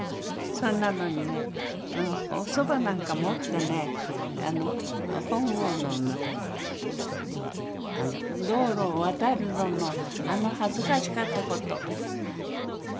それなのにねおそばなんか持ってね本郷の道路を渡るののあの恥ずかしかった事。